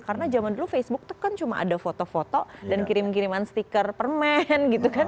karena zaman dulu facebook tuh kan cuma ada foto foto dan kirim kiriman stiker permen gitu kan